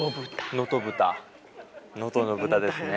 能登豚能登の豚ですね。